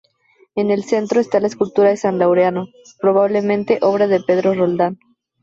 En el centro está la escultura de San Laureano, probablemente obra de Pedro Roldán.